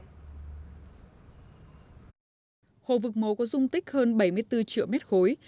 hồ vực mồ có dung tích hơn bảy mươi bốn triệu mét khối